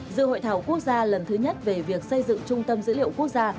dự hội thảo quốc gia lần thứ nhất về việc xây dựng trung tâm dữ liệu quốc gia